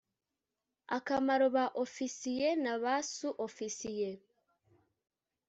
akamaro Ba Ofisiye naba Su Ofisiye.